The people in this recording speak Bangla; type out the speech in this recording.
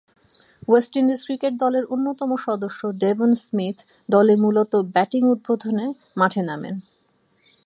ওয়েস্ট ইন্ডিজ ক্রিকেট দলের অন্যতম সদস্য ডেভন স্মিথ দলে মূলতঃ ব্যাটিং উদ্বোধনে মাঠে নামেন।